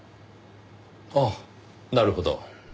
ああなるほど。